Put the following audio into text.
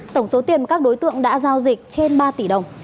tổng số tiền các đối tượng đã giao dịch trên ba tỷ đồng